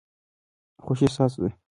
خوښي ستاسو ده.